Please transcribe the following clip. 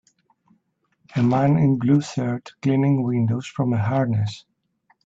A man in a blue shirt cleaning windows from a harness.